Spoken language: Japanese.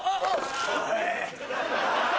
おい！